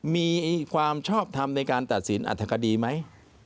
มีความชอบทำในการตัดสินอัธคดีไหม